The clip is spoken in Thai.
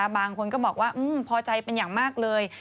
บางคนก็บอกว่าพอใจเป็นอย่างมากเลย